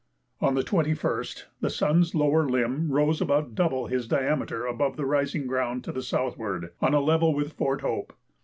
On the 21st, the sun's lower limb rose about double his diameter above a rising ground to the southward, on a level with Fort Hope.